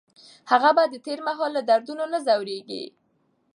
هغه به د تېر مهال له دردونو نه ځوریږي.